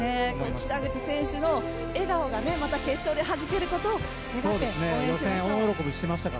北口選手の笑顔がまた決勝ではじけることを願って、応援しましょう。